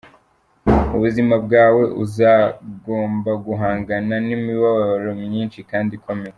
Mu buzima bwawe, uzagomba guhangana n’imibabaro myinshi kandi ikomeye.